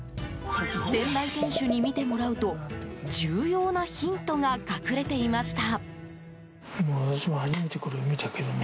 先代店主に見てもらうと重要なヒントが隠れていました。